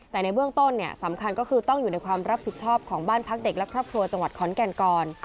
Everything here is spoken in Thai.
แต่ในเบื้องต้นเนี่ยสำคัญก็คือต้องอยู่ในความรับผิดชอบของบ้านพักเด็กและครอบครัวจังหวัดขอนแก่นก่อน